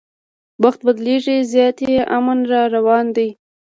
وخت بدلیږي زیاتي امن را روان دی